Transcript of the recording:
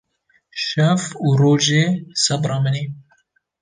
Şev û rojê sebra min î